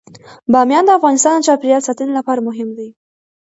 بامیان د افغانستان د چاپیریال ساتنې لپاره مهم دي.